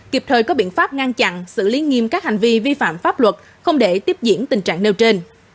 kịp thời có biện pháp ngăn chặn xử lý nghiêm các hành vi vi phạm pháp luật không để tiếp diễn tình trạng nêu trên